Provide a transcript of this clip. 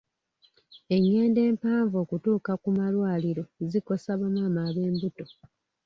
Engendo empanvu okutuuka ku malwaliro zikosa ba maama ab'embuto.